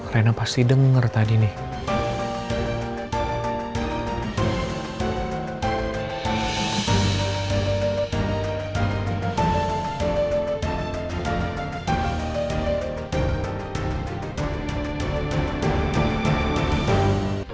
rena pasti denger tadi nih